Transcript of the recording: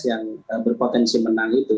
yang berpotensi menang itu